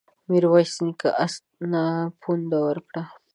ميرويس نيکه آس ته پونده ورکړه.